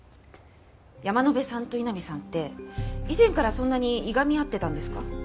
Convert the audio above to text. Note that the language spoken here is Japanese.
山野辺さんと井波さんって以前からそんなにいがみ合ってたんですか？